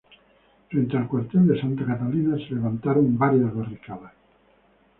Frente al Cuartel de Santa Catalina se levantaron varias barricadas.